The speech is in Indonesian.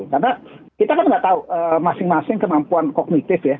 karena kita kan nggak tahu masing masing kenampuan kognitif ya